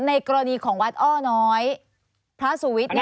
ในกรณีของวัดอ้อน้อยพระสุวิทย์เนี่ยค่ะ